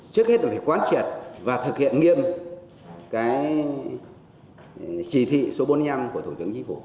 trước hết là phải quan triệt và thực hiện nghiêm trì thị số bốn mươi năm của thủ tướng chí phủ